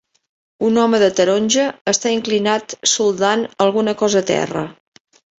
Un home de taronja està inclinat soldant alguna cosa a terra